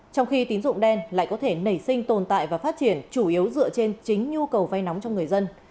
trong khi tín dụng đen lại có thể nảy sinh tồn tại và phát triển chủ yếu dựa trên chính nhu cầu vay nóng cho người dân